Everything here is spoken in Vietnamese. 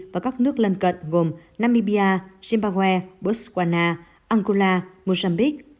và các nước lân cận gồm namibia zimbabwe botswana angola mozambique